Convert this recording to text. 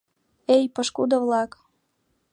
Эй, пошкудо-влак!